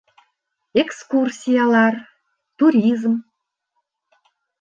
Экскурсиялар, туризм